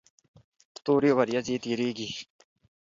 تورې ورېځې تیریږي.